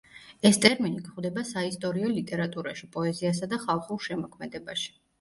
ეს ტერმინი გვხვდება საისტორიო ლიტერატურაში, პოეზიასა და ხალხურ შემოქმედებაში.